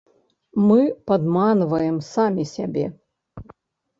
Мы падманваем самі сябе.